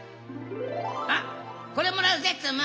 あっこれもらうぜツム！